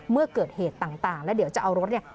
เมื่อเกิดเหตุต่างแล้วเดี๋ยวจะเอารถเนี่ย